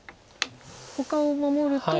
ほかを守ると。